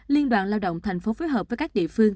liên đoàn lao động tp phối hợp với các địa phương